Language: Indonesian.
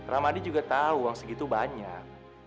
ramadi juga tahu uang segitu banyak